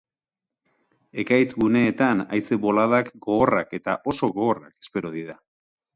Ekaitz-guneetan haize-bolada gogorrak edo oso gogorrak espero dira.